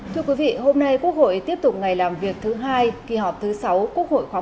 thưa quý vị hôm nay quốc hội tiếp tục ngày làm việc thứ hai kỳ họp thứ sáu quốc hội khóa một mươi bốn